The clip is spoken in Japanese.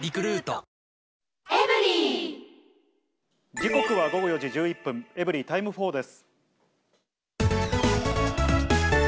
時刻は午後４時１１分、エブリィタイム４です。